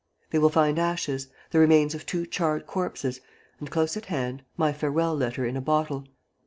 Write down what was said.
They will find ashes, the remains of two charred corpses and, close at hand, my farewell letter in a bottle.